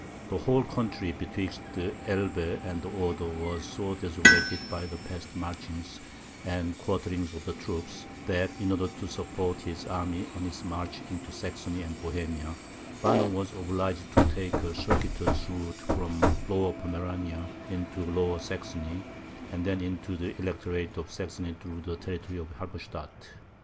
The whole country betwixt the Elbe and the Oder was so desolated by the past marchings and quarterings of the troops, that, in order to support his army on its march into Saxony and Bohemia, Banner was obliged to take a circuitous route from Lower Pomerania into Lower Saxony, and then into the Electorate of Saxony through the territory of Halberstadt.